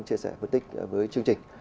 chia sẻ bất tích với chương trình